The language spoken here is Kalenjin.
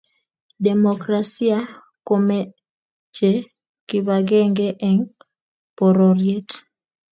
demokrasia komechee kibakengee eng pororiet.